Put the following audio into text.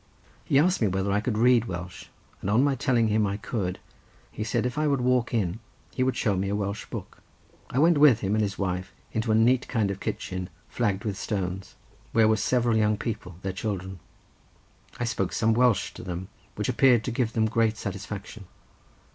He asked me whether I could read Welsh, and on my telling him I could, he said that if I would walk in he would show me a Welsh book. I went with him and his wife into a neat kind of kitchen, flagged with stone, where were several young people, their children. I spoke some Welsh to them which appeared to give them great satisfaction.